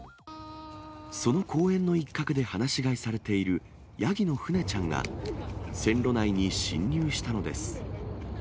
その公園の一角で放し飼いされているヤギのふねちゃんが、線路内に侵入したのです。